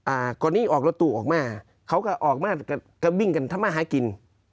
อ่าก่อนนี้ออกรถตู้ออกมาเขาก็ออกมาก็วิ่งกันทำมาหากิน